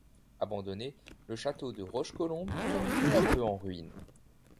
Abandonné, le château de Rochecolombe tombe peu à peu en ruines.